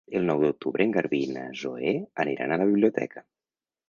El nou d'octubre en Garbí i na Zoè aniran a la biblioteca.